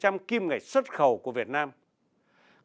tương đương chín mươi chín bảy kim ngạch xuất khẩu của việt nam sang eu